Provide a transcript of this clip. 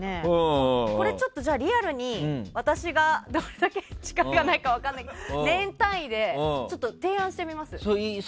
じゃあ、リアルに私がどれだけ力があるか分からないけど年単位で提案してみます。